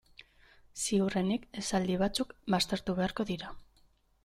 Ziurrenik esaldi batzuk baztertu beharko dira.